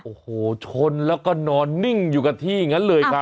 โอ้โหชนแล้วก็นอนนิ่งอยู่กับที่อย่างนั้นเลยครับ